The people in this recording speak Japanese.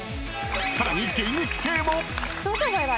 ［さらに現役生も］